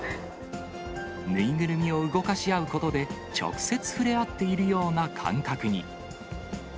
縫いぐるみを動かし合うことで、直接触れ合っているような感覚に。